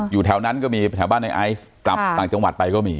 อยู่แถวนั้นก็มีแถวบ้านในไอซ์กลับต่างจังหวัดไปก็มี